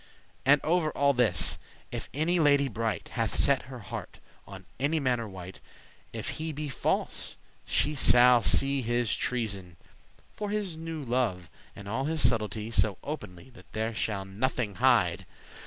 And over all this, if any lady bright Hath set her heart on any manner wight, If he be false, she shall his treason see, His newe love, and all his subtlety, So openly that there shall nothing hide.